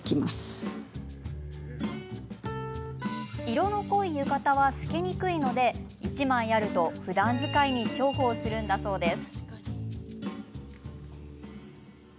色の濃い浴衣は透けにくいので１枚あるとふだん使いに重宝するそうです。